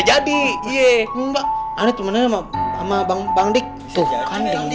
jadi iye enggak ada temennya sama bangdik tuh